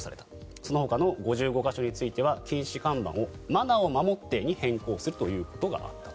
そのほかの５５か所については禁止看板を「マナーを守って」に変更することがあったと。